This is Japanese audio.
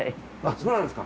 そうなんですか。